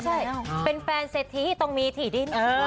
ใช่เป็นแฟนเศรษฐีต้องมีที่ดิน